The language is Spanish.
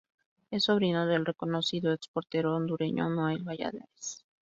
Es sobrino del reconocido ex portero hondureño Noel Valladares.